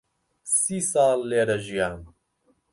سی ساڵ لێرە ژیام.